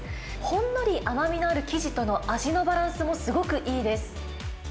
ほんのり甘みのある生地との味のバランスもすごくいいです。